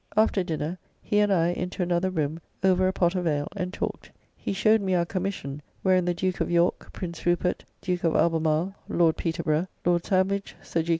After dinner he and I into another room over a pot of ale and talked. He showed me our commission, wherein the Duke of York, Prince Rupert, Duke of Albemarle, Lord Peterborough, Lord Sandwich, Sir G.